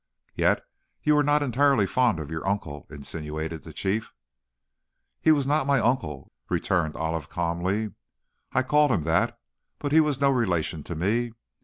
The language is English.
"Yet you were not entirely fond of your uncle," insinuated the Chief. "He was not my uncle," returned Olive, calmly. "I called him that but he was no relation to me.